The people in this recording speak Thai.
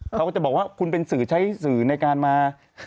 เขาก็จะบอกว่าคุณเป็นสื่อใช้สื่อในการมา